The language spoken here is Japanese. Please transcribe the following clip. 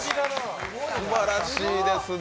すばらしいですね。